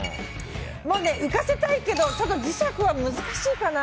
浮かせたいけど磁石は難しいかな。